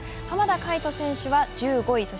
浜田海人選手は１５位。